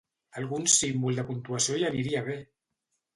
Algun símbol de puntuació hi aniria bé!